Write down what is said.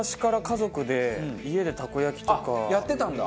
やってたんだ。